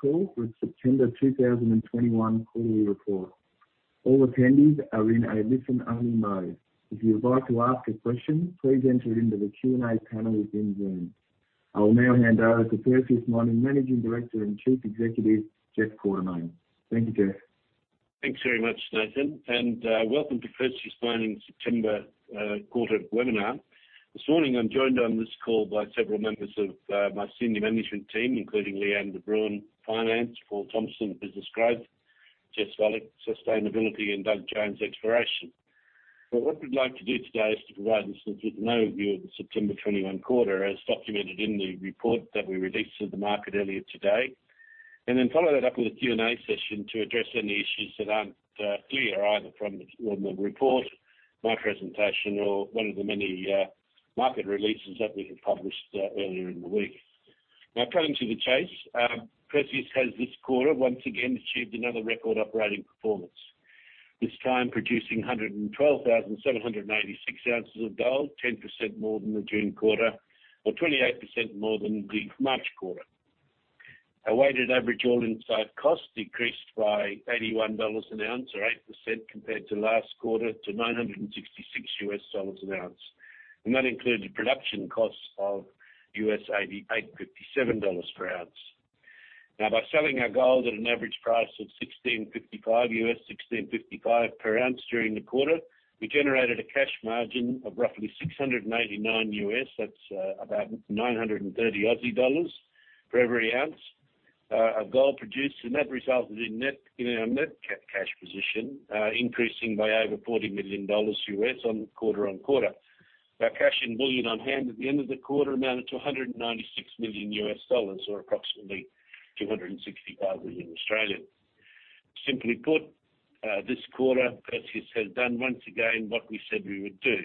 Call for September 2021 quarterly report. All attendees are in listen-only mode. If you would like to ask a question, please enter it into the Q&A panel within Zoom. I will now hand over to Perseus Mining Managing Director and Chief Executive, Jeff Quartermaine. Thank you, Jeff. Thanks very much, Nathan, welcome to Perseus Mining September 2021 quarter webinar. This morning, I'm joined on this call by several members of my senior management team, including Lee-Anne de Bruin, Finance, Paul Thompson, Business Growth, Jess Vallance, Sustainability, and Doug Jones, Exploration. What we'd like to do today is to provide investors with an overview of the September 2021 quarter, as documented in the report that we released to the market earlier today. Then follow that up with a Q&A session to address any issues that aren't clear, either from the report, my presentation, or one of the many market releases that we have published earlier in the week. Now, cutting to the chase, Perseus has this quarter, once again, achieved another record operating performance. This time producing 112,796 ounces of gold, 10% more than the June quarter, or 28% more than the March quarter. Our weighted average All-in Site Cost decreased by $81 an ounce or 8% compared to last quarter, to $966 an ounce. That included production costs of $857 per ounce. Now, by selling our gold at an average price of $1,655, $1,655 per ounce during the quarter, we generated a cash margin of roughly $689. That's about 930 Aussie dollars for every ounce of gold produced. That resulted in our net cash position increasing by over $40 million quarter-on-quarter. Our cash and bullion on hand at the end of the quarter amounted to $196 million, or approximately 265 million in Australia. Simply put, this quarter, Perseus has done once again what we said we would do.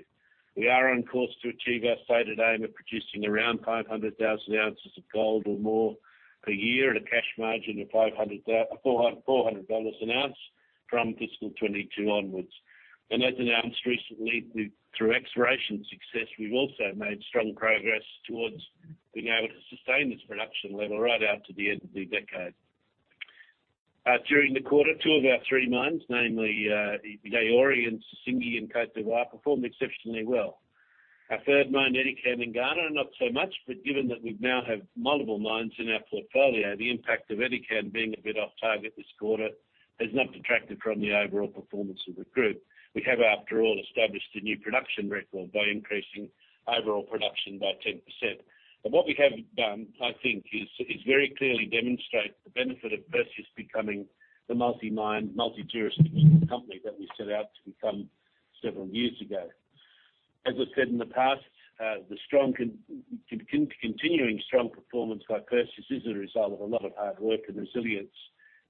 We are on course to achieve our stated aim of producing around 500,000 ounces of gold or more per year at a cash margin of 400 dollars an ounce from FY 2022 onwards. As announced recently through exploration success, we've also made strong progress towards being able to sustain this production level right out to the end of the decade. During the quarter, two of our three mines, namely the Yaouré and Sissingué in Côte d'Ivoire, performed exceptionally well. Our third mine, Edikan in Ghana, not so much, but given that we now have multiple mines in our portfolio, the impact of Edikan being a bit off target this quarter has not detracted from the overall performance of the group. We have, after all, established a new production record by increasing overall production by 10%. What we have done, I think, is very clearly demonstrate the benefit of Perseus becoming the multi-mine, multi-jurisdiction company that we set out to become several years ago. As I've said in the past, the continuing strong performance by Perseus is a result of a lot of hard work and resilience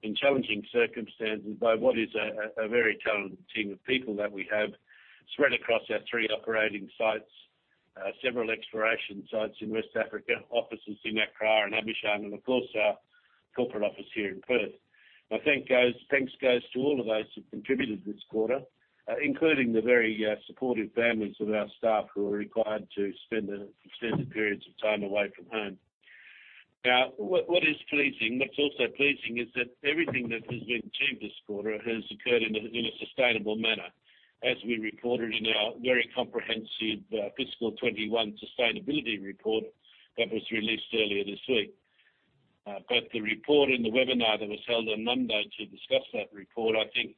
in challenging circumstances by what is a very talented team of people that we have spread across our three operating sites, several exploration sites in West Africa, offices in Accra and Abidjan, and of course, our corporate office here in Perth. Thanks goes to all of those who contributed this quarter, including the very supportive families of our staff who are required to spend extended periods of time away from home. What is pleasing, what's also pleasing is that everything that has been achieved this quarter has occurred in a sustainable manner, as we reported in our very comprehensive fiscal 2021 sustainability report that was released earlier this week. Both the report and the webinar that was held on Monday to discuss that report, I think,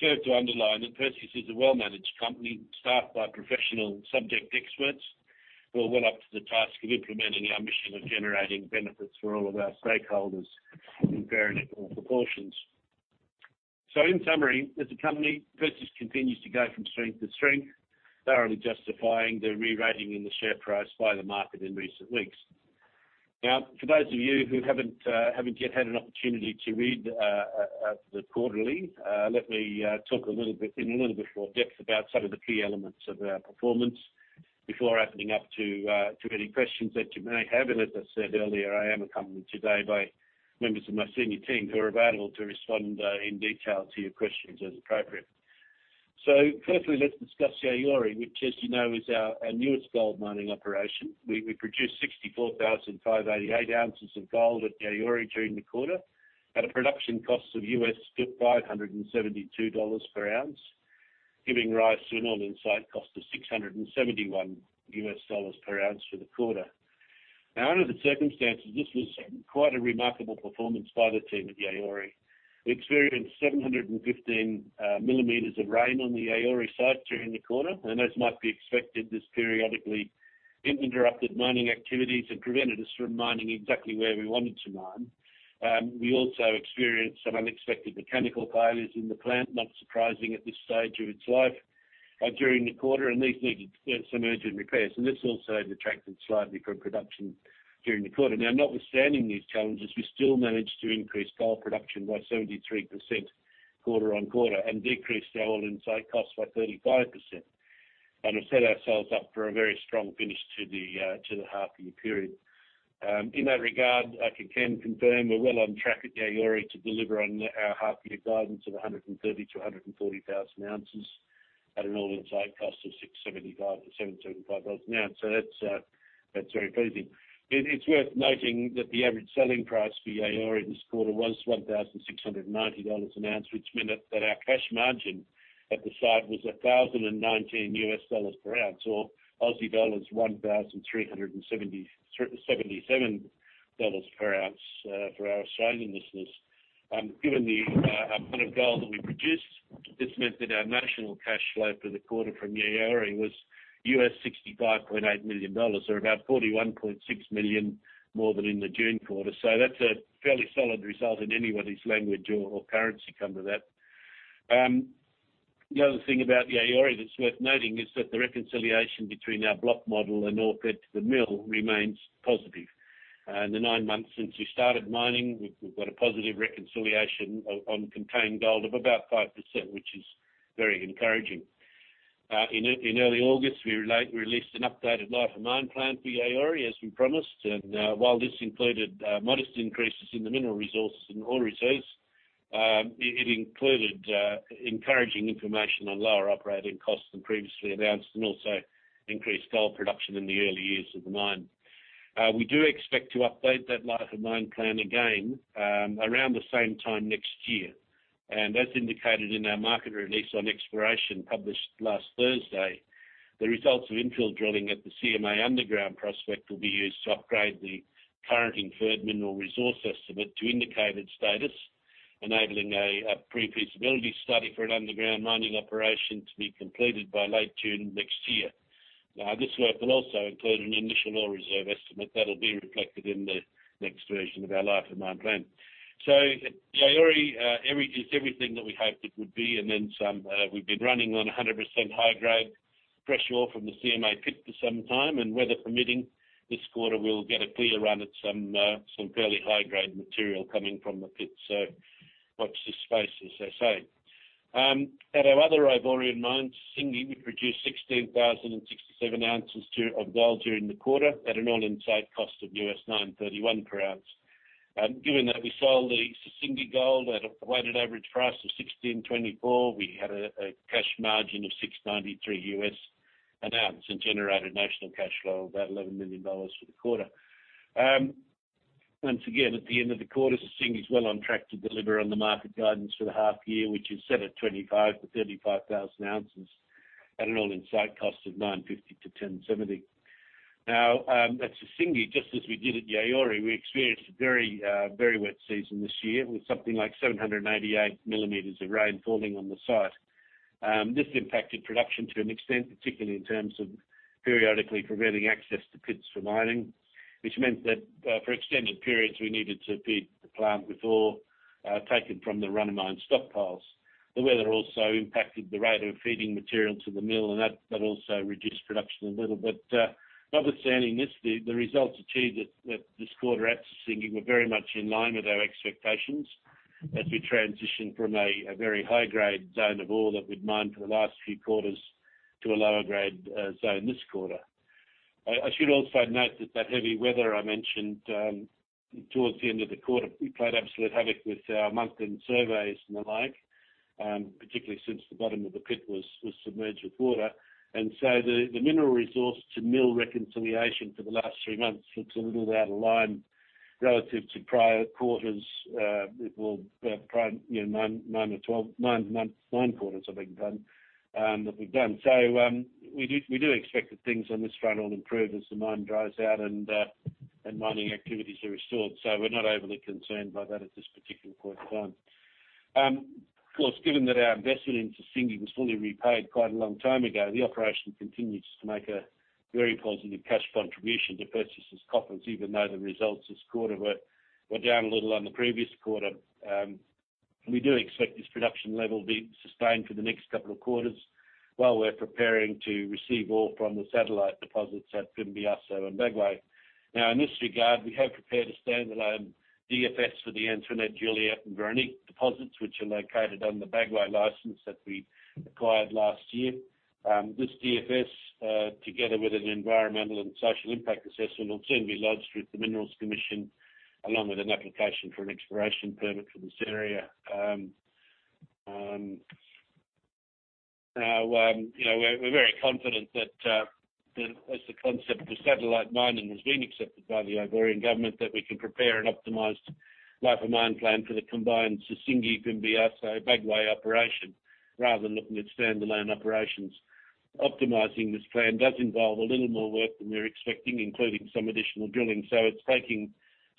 served to underline that Perseus is a well-managed company staffed by professional subject experts who are well up to the task of implementing our mission of generating benefits for all of our stakeholders in varying proportions. In summary, as a company, Perseus continues to go from strength to strength, thoroughly justifying the re-rating in the share price by the market in recent weeks. For those of you who haven't yet had an opportunity to read the quarterly, let me talk in a little bit more depth about some of the key elements of our performance before opening up to any questions that you may have. As I said earlier, I am accompanied today by members of my senior team who are available to respond in detail to your questions as appropriate. Firstly, let's discuss Yaouré, which as you know, is our newest gold mining operation. We produced 64,588 ounces of gold at Yaouré during the quarter at a production cost of $572 per ounce, giving rise to an on-site cost of $671 per ounce for the quarter. Under the circumstances, this was quite a remarkable performance by the team at Yaouré, who experienced 715 millimeters of rain on the Yaouré site during the quarter. As might be expected, this periodically interrupted mining activities and prevented us from mining exactly where we wanted to mine. We also experienced some unexpected mechanical failures in the plant, not surprising at this stage of its life, during the quarter, and these needed some urgent repairs. This also detracted slightly from production during the quarter. Notwithstanding these challenges, we still managed to increase gold production by 73% quarter-on-quarter and decreased our All-in Site Cost by 35%. We've set ourselves up for a very strong finish to the half year period. In that regard, I can confirm we're well on track at Yaouré to deliver on our half year guidance of 130,000 ounces-140,000 ounces at an All-in Site Cost of 6.75 to 7.75 dollars an ounce. That's very pleasing. It's worth noting that the average selling price for Yaouré this quarter was 1,690 dollars an ounce, which meant that our cash margin at the site was $1,019 US per ounce, or 1,377 dollars per ounce for our Australian business. Given the amount of gold that we produced, this meant that our notional cash flow for the quarter from Yaouré was $65.8 million, or about $41.6 million more than in the June quarter. That's a fairly solid result in anybody's language or currency, come to that. The other thing about Yaouré that's worth noting is that the reconciliation between our block model and ore fed to the mill remains positive. In the nine months since we started mining, we've got a positive reconciliation on contained gold of about 5%, which is very encouraging. In early August, we released an updated Life of Mine Plan for Yaouré, as we promised. While this included modest increases in the Mineral Resources and Ore Reserves, it included encouraging information on lower operating costs than previously announced, and also increased gold production in the early years of the mine. We do expect to update that Life of Mine Plan again around the same time next year. As indicated in our market release on exploration published last Thursday, the results of infill drilling at the CMA underground prospect will be used to upgrade the current Inferred Mineral Resource estimate to indicated status, enabling a Pre-Feasibility Study for an underground mining operation to be completed by late June next year. This work will also include an initial Ore Reserve estimate that'll be reflected in the next version of our Life of Mine Plan. Yaouré averages everything that we hoped it would be and then some. We've been running on 100% high-grade fresh ore from the CMA pit for some time. Weather permitting, this quarter we'll get a clear run at some fairly high-grade material coming from the pit. Watch this space, as they say. At our other Ivorian mines, Sissingué, we produced 16,067 ounces of gold during the quarter at an All-in Site Cost of $9.31 per ounce. Given that we sold the Sissingué gold at a weighted average price of $1,624, we had a cash margin of $6.93 an ounce and generated notional cash flow of about $11 million for the quarter. Once again, at the end of the quarter, Sissingué is well on track to deliver on the market guidance for the half year, which is set at 25,000 ounces-35,000 ounces at an All-in Site Cost of $9.50-$10.70. At Sissingué, just as we did at Yaouré, we experienced a very wet season this year with something like 788 millimeters of rain falling on the site. This impacted production to an extent, particularly in terms of periodically preventing access to pits for mining, which meant that for extended periods, we needed to feed the plant with ore taken from the run of mine stockpiles. The weather also impacted the rate of feeding material to the mill, and that also reduced production a little. Notwithstanding this, the results achieved this quarter at Sissingué were very much in line with our expectations as we transition from a very high grade zone of ore that we'd mined for the last few quarters to a lower grade zone this quarter. I should also note that heavy weather I mentioned towards the end of the quarter played absolute havoc with our month-end surveys and the like, particularly since the bottom of the pit was submerged with water. The mineral resource to mill reconciliation for the last three months looks a little out of line relative to prior quarters. Nine quarters have been done. We do expect that things on this front will improve as the mine dries out and mining activities are restored. We're not overly concerned by that at this particular point in time. Of course, given that our investment into Sissingué was fully repaid quite a long time ago, the operation continues to make a very positive cash contribution to Perseus' coffers, even though the results this quarter were down a little on the previous quarter. We do expect this production level to be sustained for the next couple of quarters while we're preparing to receive ore from the satellite deposits at Fimbiasso and Bagoé. In this regard, we have prepared a standalone DFS for the Antoinette, Juliette and Véronique deposits, which are located on the Bagoé license that we acquired last year. This DFS, together with an Environmental and Social Impact Assessment, will soon be lodged with the Minerals Commission along with an application for an exploration permit for this area. We're very confident that as the concept for satellite mining has been accepted by the Ivorian government, that we can prepare an optimized Life of Mine Plan for the combined Sissingué, Fimbiasso, Bagoé operation, rather than looking at standalone operations. Optimizing this plan does involve a little more work than we're expecting, including some additional drilling. It's taking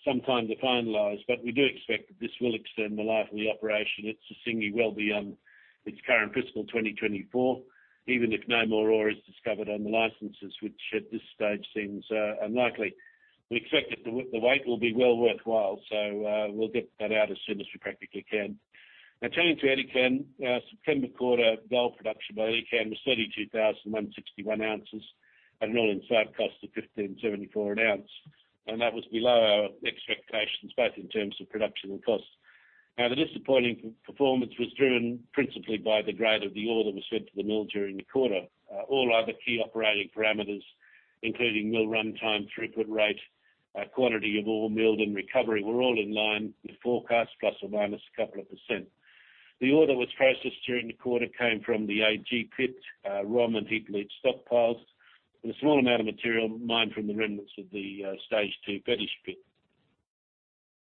some time to finalize, but we do expect that this will extend the life of the operation at Sissingué well beyond its current fiscal 2024, even if no more ore is discovered on the licenses, which at this stage seems unlikely. We expect that the wait will be well worthwhile. We'll get that out as soon as we practically can. Turning to Edikan. September quarter gold production by Edikan was 32,161 ounces at an All-in Site Cost of 1,574 an ounce. That was below our expectations, both in terms of production and cost. The disappointing performance was driven principally by the grade of the ore that was fed to the mill during the quarter. All other key operating parameters including mill runtime throughput rate, quantity of ore milled and recovery were all in line with forecast, plus or minus a couple of percent. The ore that was processed during the quarter came from the AG Pit, ROM and heap leach stockpiles, and a small amount of material mined from the remnants of the stage 2.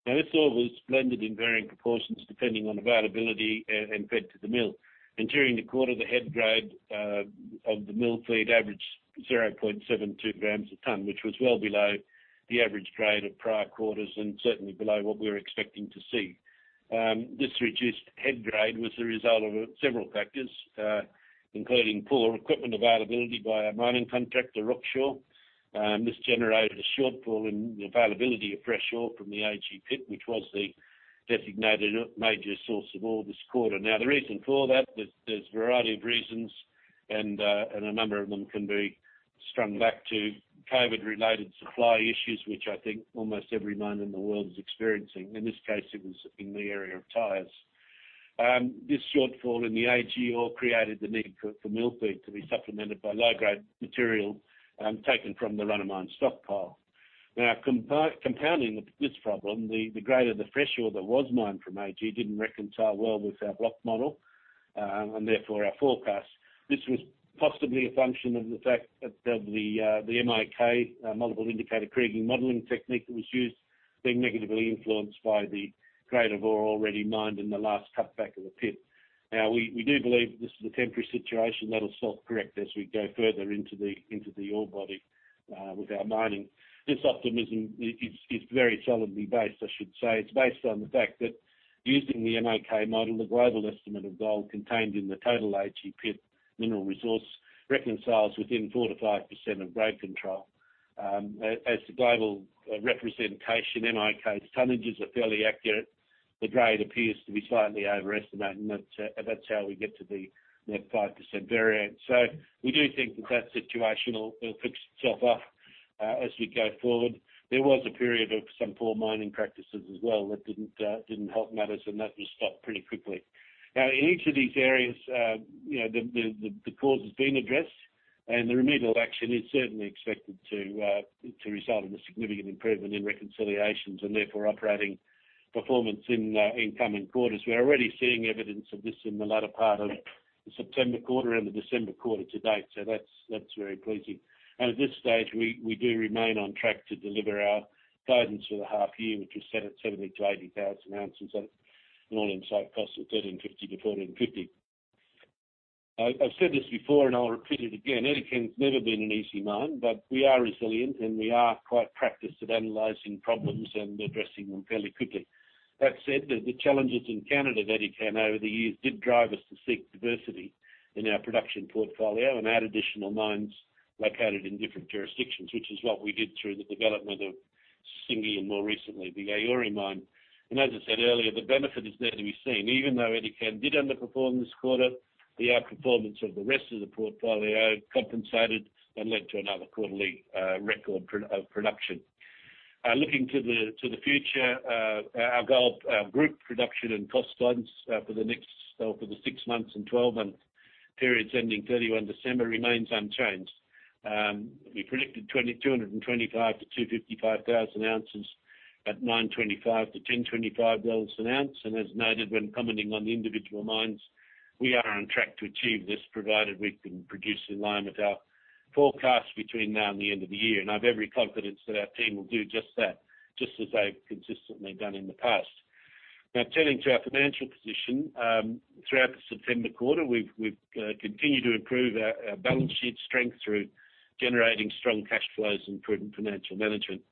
This ore was blended in varying proportions depending on availability and fed to the mill. During the quarter, the head grade of the mill feed averaged 0.72 grams a ton, which was well below the average grade of prior quarters and certainly below what we were expecting to see. This reduced head grade was the result of several factors, including poor equipment availability by our mining contractor, Rocksure. This generated a shortfall in the availability of fresh ore from the AG Pit, which was the designated major source of ore this quarter. Now, the reason for that, there's a variety of reasons, and a number of them can be strung back to COVID-related supply issues, which I think almost every mine in the world is experiencing. In this case, it was in the area of tires. This shortfall in the AG ore created the need for mill feed to be supplemented by low-grade material taken from the run of mine stockpile. Now, compounding this problem, the grade of the fresh ore that was mined from AG didn't reconcile well with our block model, and therefore our forecast. This was possibly a function of the fact that the MIK, Multiple Indicator Kriging modeling technique that was used, being negatively influenced by the grade of ore already mined in the last cutback of the pit. We do believe that this is a temporary situation that'll self-correct as we go further into the ore body with our mining. This optimism is very solidly based, I should say. It's based on the fact that using the MIK model, the global estimate of gold contained in the total AG Pit mineral resource reconciles within 4%-5% of grade control. As the global representation, MIK tonnages are fairly accurate. The grade appears to be slightly overestimated, and that's how we get to the net 5% variant. We do think that that situation will fix itself up as we go forward. There was a period of some poor mining practices as well that didn't help matters, and that was stopped pretty quickly. In each of these areas, the cause has been addressed, and the remedial action is certainly expected to result in a significant improvement in reconciliations, and therefore operating performance in coming quarters. We're already seeing evidence of this in the latter part of the September quarter and the December quarter to date. That's very pleasing. At this stage, we do remain on track to deliver our guidance for the half year, which was set at 70,000 to 80,000 ounces at an All-in Site Cost of 1,350-1,450. I've said this before, and I'll repeat it again. Edikan's never been an easy mine, but we are resilient, and we are quite practiced at analyzing problems and addressing them fairly quickly. That said, the challenges encountered at Edikan over the years did drive us to seek diversity in our production portfolio and add additional mines located in different jurisdictions, which is what we did through the development of Sissingué and more recently, the Yaouré mine. As I said earlier, the benefit is there to be seen. Even though Edikan did underperform this quarter, the outperformance of the rest of the portfolio compensated and led to another quarterly record of production. Looking to the future, our goal of group production and cost guidance for the next six months and 12 months periods ending 31 December remains unchanged. We predicted 225,000 ounces-255,000 ounces at 9.25-10.25 dollars an ounce, and as noted when commenting on the individual mines, we are on track to achieve this, provided we can produce in line with our forecast between now and the end of the year. I have every confidence that our team will do just that, just as they've consistently done in the past. Now, turning to our financial position. Throughout the September quarter, we've continued to improve our balance sheet strength through generating strong cash flows and prudent financial management.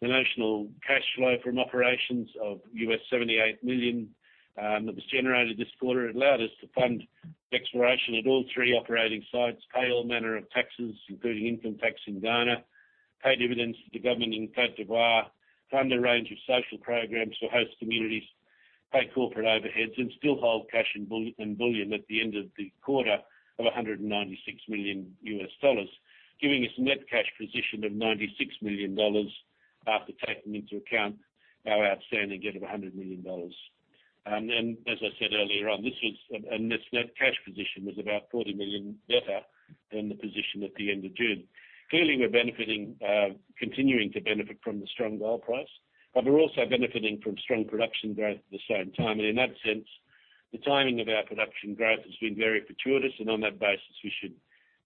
The notional cash flow from operations of $78 million that was generated this quarter allowed us to fund exploration at all three operating sites, pay all manner of taxes, including income tax in Ghana, pay dividends to the government in Côte d'Ivoire, fund a range of social programs for host communities, pay corporate overheads, and still hold cash and bullion at the end of the quarter of $196 million, giving us a net cash position of $96 million after taking into account our outstanding debt of $100 million. As I said earlier on, this net cash position was about $40 million better than the position at the end of June. Clearly, we are continuing to benefit from the strong gold price, but we are also benefiting from strong production growth at the same time. In that sense, the timing of our production growth has been very fortuitous, and on that basis, we should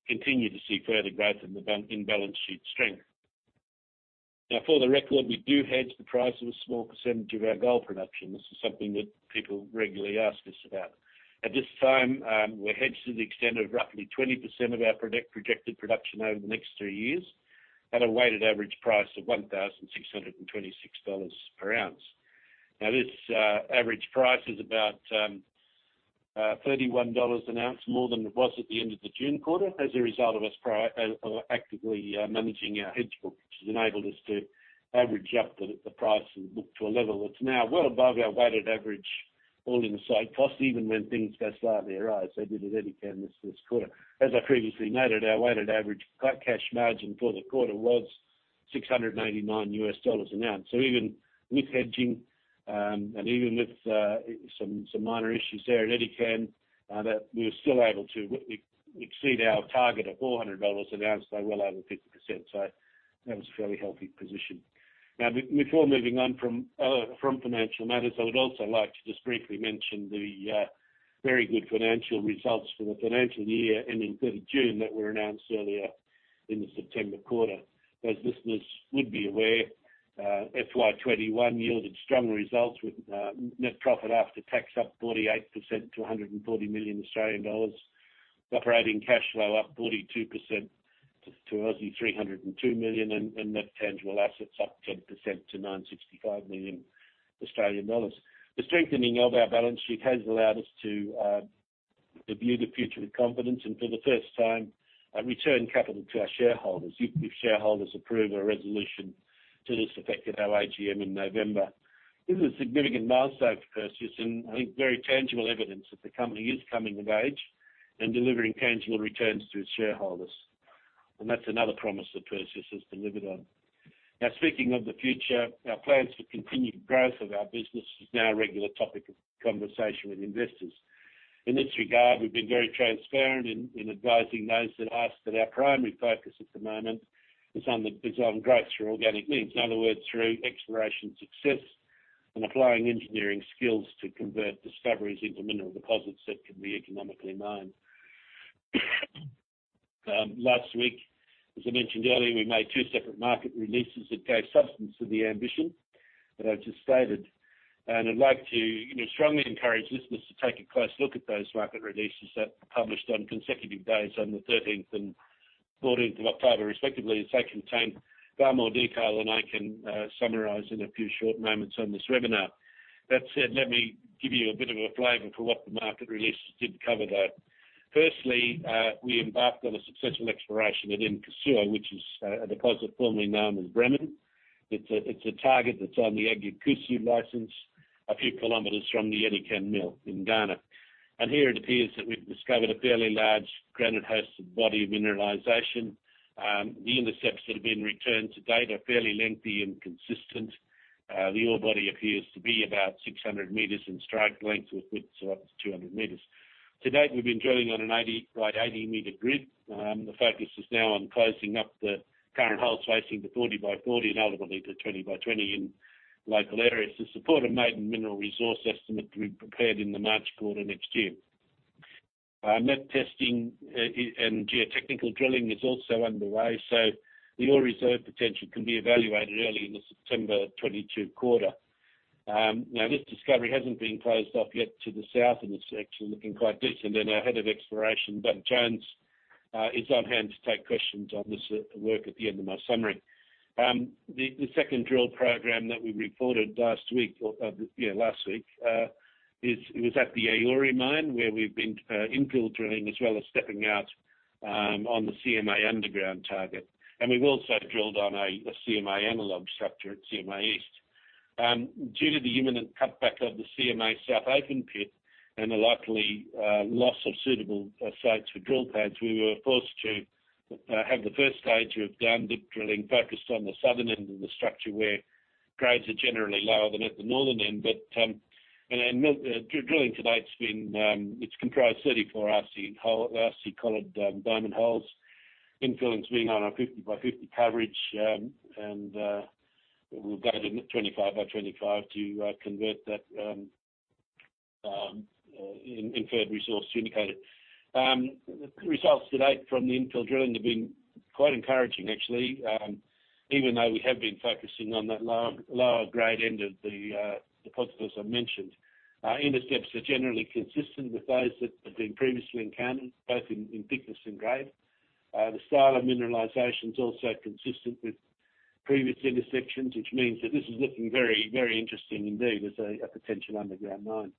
continue to see further growth in balance sheet strength. Now, for the record, we do hedge the price of a small percentage of our gold production. This is something that people regularly ask us about. At this time, we're hedged to the extent of roughly 20% of our projected production over the next three years at a weighted average price of 1,626 dollars per ounce. This average price is about 31 dollars an ounce more than it was at the end of the June quarter as a result of us actively managing our hedge book, which has enabled us to average up the price of the book to a level that's now well above our weighted average All-in Site Cost, even when things go slightly awry, as they did at Edikan this quarter. As I previously noted, our weighted average cash margin for the quarter was $689 an ounce. Even with hedging and even with some minor issues there at Edikan that we were still able to exceed our target of 400 dollars an ounce by well over 50%. That was a fairly healthy position. Before moving on from financial matters, I would also like to just briefly mention the very good financial results for the financial year ending 30 June that were announced earlier in the September quarter. As listeners would be aware, FY 2021 yielded strong results with net profit after tax up 48% to 140 million Australian dollars. Operating cash flow up 42% to 302 million, and net tangible assets up 10% to 965 million Australian dollars. The strengthening of our balance sheet has allowed us to view the future with confidence, and for the first time, return capital to our shareholders, if shareholders approve a resolution to this effect at our AGM in November. This is a significant milestone for Perseus, I think very tangible evidence that the company is coming of age and delivering tangible returns to its shareholders. That's another promise that Perseus has delivered on. Now, speaking of the future, our plans for continued growth of our business is now a regular topic of conversation with investors. In this regard, we've been very transparent in advising those that ask that our primary focus at the moment is on growth through organic means. In other words, through exploration, success, and applying engineering skills to convert discoveries into mineral deposits that can be economically mined. Last week, as I mentioned earlier, we made two separate market releases that gave substance to the ambition that I've just stated. I'd like to strongly encourage listeners to take a close look at those market releases that were published on consecutive days on the 13th and 14th of October, respectively, as they contain far more detail than I can summarize in a few short moments on this webinar. That said, let me give you a bit of a flavor for what the market release did cover, though. Firstly, we embarked on a successful exploration at Nkosuo, which is a deposit formerly known as Bremang. It's a target that's on the Agyakusu license, a few kilometers from the Edikan mill in Ghana. Here it appears that we've discovered a fairly large granite-hosted body of mineralization. The intercepts that have been returned to date are fairly lengthy and consistent. The ore body appears to be about 600 meters in strike length with widths up to 200 meters. To date, we've been drilling on an 80 by 80-meter grid. The focus is now on closing up the current holes facing to 40 by 40 and ultimately to 20 by 20 in local areas to support a maiden Mineral Resource estimate to be prepared in the March quarter next year. Metallurgical testing and geotechnical drilling is also underway, so the Ore Reserve potential can be evaluated early in the September 2022 quarter. This discovery hasn't been closed off yet to the south, and it's actually looking quite decent, and our head of exploration, Douglas Jones, is on hand to take questions on this work at the end of my summary. The second drill program that we reported last week, was at the Yaouré mine, where we've been infill drilling as well as stepping out on the CMA underground target. We've also drilled on a CMA analog structure at CMA East. Due to the imminent cutback of the CMA South open-pit and the likely loss of suitable sites for drill pads, we were forced to have the first stage of down-dip drilling focused on the southern end of the structure where grades are generally lower than at the northern end. Drilling to date, it's comprised 34 RC collared diamond holes. Infill is being on a 50 by 50 coverage, and we'll go to 25 by 25 to convert that Inferred Mineral Resource to Indicated. Results to date from the infill drilling have been quite encouraging, actually, even though we have been focusing on that lower grade end of the deposit, as I mentioned. Intercepts are generally consistent with those that have been previously encountered, both in thickness and grade. The style of mineralization is also consistent with previous intersections, which means that this is looking very, very interesting indeed as a potential underground mine.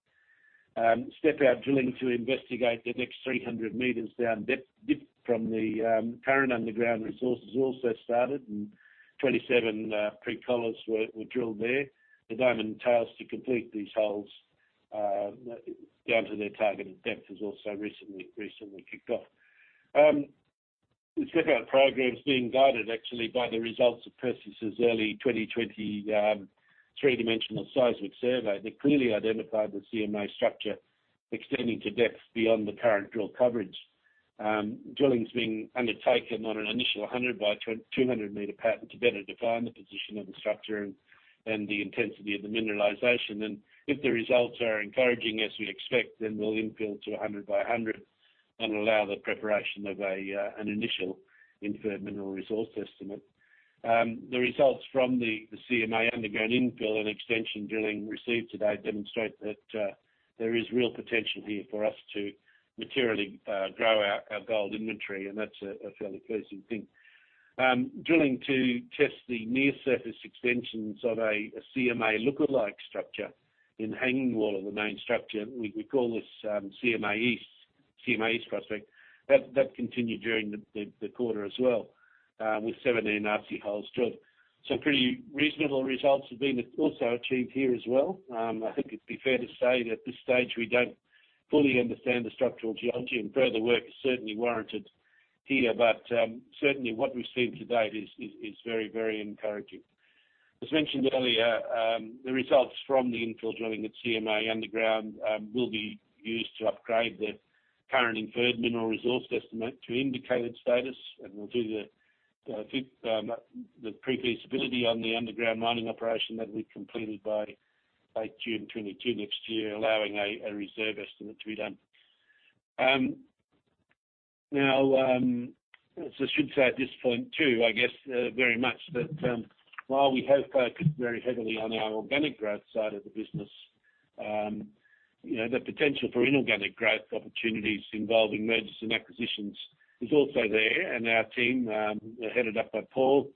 Step-out drilling to investigate the next 300 meters down dip from the current underground resource has also started. 27 pre-collars were drilled there. The diamond tails to complete these holes down to their targeted depth has also recently kicked off. The step-out program is being guided actually by the results of Perseus' early 2020 three-dimensional seismic survey that clearly identified the CMA structure extending to depths beyond the current drill coverage. Drilling's being undertaken on an initial 100 by 200-meter pattern to better define the position of the structure and the intensity of the mineralization. If the results are encouraging as we expect, then we'll infill to 100 by 100 and allow the preparation of an initial Inferred Mineral Resource estimate. The results from the CMA underground infill and extension drilling received today demonstrate that there is real potential here for us to materially grow our gold inventory, that's a fairly pleasing thing. Drilling to test the near-surface extensions of a CMA lookalike structure in hanging wall of the main structure, we call this CMA East Prospect. That continued during the quarter as well, with 17 RC holes drilled. Some pretty reasonable results have been also achieved here as well. I think it'd be fair to say that at this stage we don't fully understand the structural geology, further work is certainly warranted here. Certainly what we've seen to date is very encouraging. As mentioned earlier, the results from the infill drilling at CMA underground will be used to upgrade the current Inferred Mineral Resource estimate to indicated status, and we'll do the Pre-Feasibility on the underground mining operation that we completed by late June 2022 next year, allowing an Ore Reserve estimate to be done. Now, I should say at this point, too, I guess, very much that, while we have focused very heavily on our organic growth side of the business, the potential for inorganic growth opportunities involving mergers and acquisitions is also there. Our team, headed up by Paul,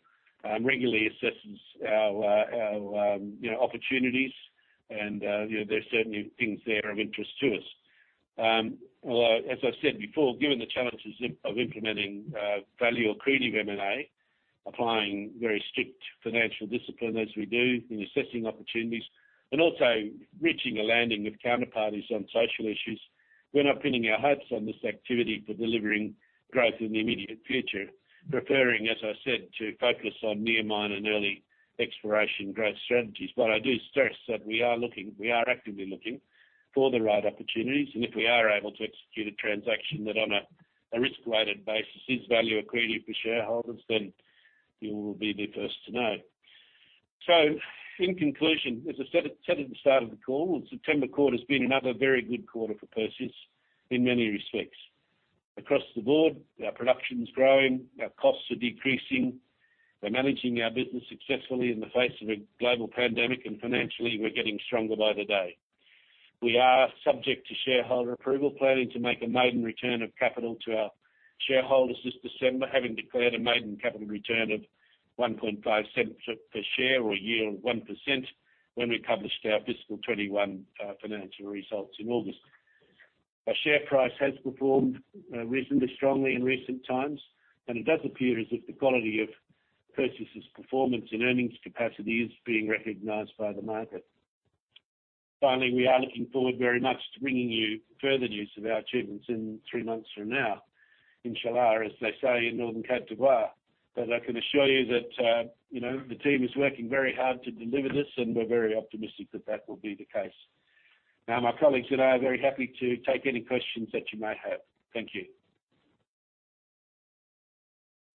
regularly assesses our opportunities and there's certainly things there of interest to us. Although, as I've said before, given the challenges of implementing value accretive M&A, applying very strict financial discipline, as we do in assessing opportunities, and also reaching a landing with counterparties on social issues, we're not pinning our hopes on this activity for delivering growth in the immediate future. Preferring, as I said, to focus on near mine and early exploration growth strategies. I do stress that we are actively looking for the right opportunities, and if we are able to execute a transaction that on a risk-weighted basis is value accretive for shareholders, then you will be the first to know. In conclusion, as I said at the start of the call, the September quarter has been another very good quarter for Perseus in many respects. Across the board, our production's growing, our costs are decreasing. We're managing our business successfully in the face of a global pandemic, and financially, we're getting stronger by the day. We are subject to shareholder approval, planning to make a maiden return of capital to our shareholders this December, having declared a maiden capital return of 0.015 per share or a yield of 1% when we published our FY 2021 financial results in August. Our share price has performed reasonably strongly in recent times, and it does appear as if the quality of Perseus's performance and earnings capacity is being recognized by the market. Finally, we are looking forward very much to bringing you further news of our achievements in three months from now, inch'Allah, as they say in northern Côte d'Ivoire. I can assure you that the team is working very hard to deliver this, and we're very optimistic that that will be the case. My colleagues and I are very happy to take any questions that you may have. Thank you.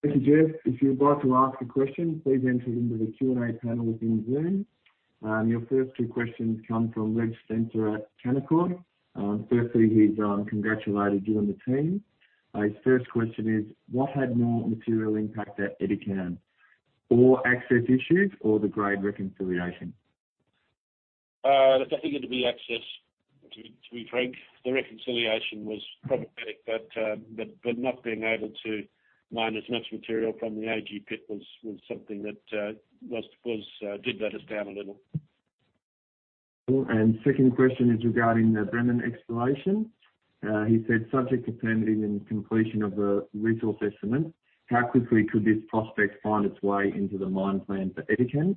Thank you, Jeff. If you'd like to ask a question, please enter it into the Q&A panel within Zoom. Your first two questions come from Reg Spencer at Canaccord. Firstly, he's congratulated you and the team. His first question is what had more material impact at Edikan, poor access issues or the grade reconciliation? I think it'd be access, to be frank. The reconciliation was problematic, but not being able to mine as much material from the AG Pit was something that did let us down a little. Second question is regarding the Nkosuo exploration. He said, subject to permitting and completion of a resource estimate, how quickly could this prospect find its way into the mine plan for Edikan?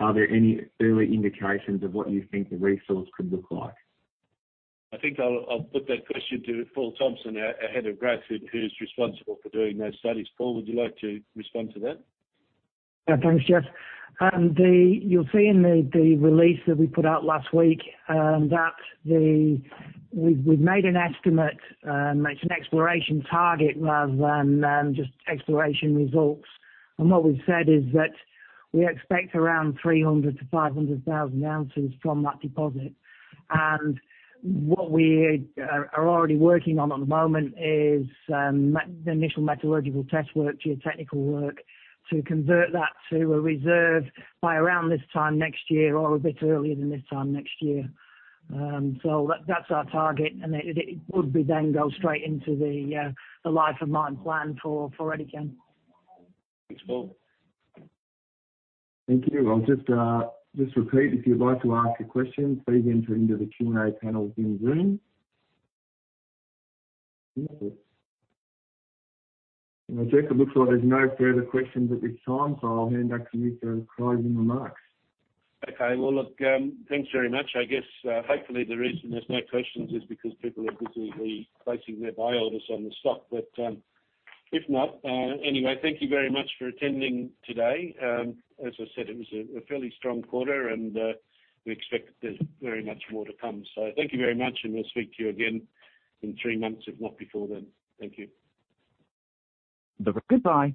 Are there any early indications of what you think the resource could look like? I think I'll put that question to Paul Thompson, our head of growth, who's responsible for doing those studies. Paul, would you like to respond to that? Thanks, Jeff. You'll see in the release that we put out last week that we've made an estimate, it's an Exploration Target rather than just exploration results. What we've said is that we expect around 300,000 ounces-500,000 ounces from that deposit. What we are already working on at the moment is the initial metallurgical testing, geotechnical work, to convert that to an Ore Reserve by around this time next year or a bit earlier than this time next year. That's our target, and it would then go straight into the Life of Mine Plan for Edikan. Thanks, Paul. Thank you. I'll just repeat. If you'd like to ask a question, please enter into the Q&A panel in Zoom. Jeff, it looks like there's no further questions at this time, so I'll hand back to you for closing remarks. Okay. Well, look, thanks very much. I guess, hopefully the reason there's no questions is because people are busily placing their buy orders on the stock. If not, anyway, thank you very much for attending today. As I said, it was a fairly strong quarter, and we expect there's very much more to come. Thank you very much, and we'll speak to you again in three months, if not before then. Thank you. Goodbye